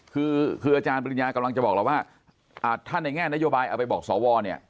คือคืออาจารย์ปริญญากำลังจะบอกเราว่าถ้าในแง่นโยบายเอาไปบอกสวเนี่ย